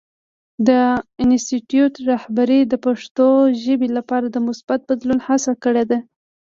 د انسټیټوت رهبرۍ د پښتو ژبې لپاره د مثبت بدلون هڅه کړې ده.